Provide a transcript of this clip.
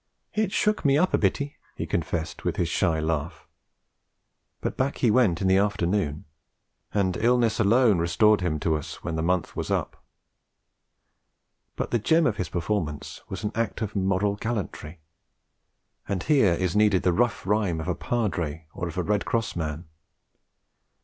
'It shook me up a bitty,' he confessed with his shy laugh; but back he went in the afternoon; and illness alone restored him to us when the month was up. But the gem of his performance was an act of moral gallantry: and here is needed the Rough Rhyme of a Padre or of a Red Cross Man.